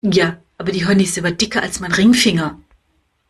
Ja, aber die Hornisse war dicker als mein Ringfinger!